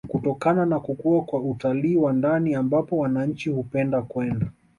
kutokana na kukua kwa utalii wa ndani ambapo wananchi hupenda kwenda